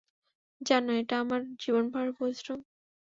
জানো এটা আমার জীবনভরের পরিশ্রম?